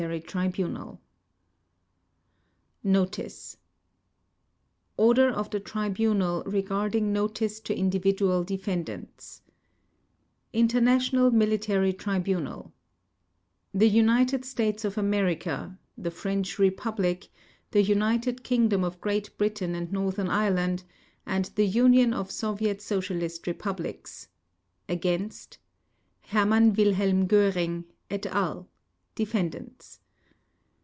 s/ ROBERT H. JACKSON ORDER OF THE TRIBUNAL REGARDING NOTICE TO INDIVIDUAL DEFENDANTS INTERNATIONAL MILITARY TRIBUNAL THE UNITED STATES OF AMERICA, THE FRENCH REPUBLIC, THE UNITED KINGDOM OF GREAT BRITAIN AND NORTHERN IRELAND, and THE UNION OF SOVIET SOCIALIST REPUBLICS — against — HERMANN WILHELM GÖRING, et al., Defendants.